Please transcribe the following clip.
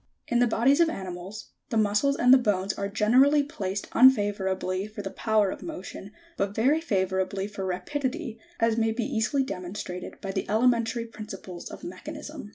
70. In the bodies of animals, the muscles and the bones are generally placed unfavourably for the power of motion, but very favourably for rapidity, as may be easily demonstrated by the elementary principles of mechanism.